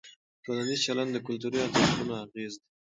ټولنیز چلند د کلتوري ارزښتونو اغېز دی.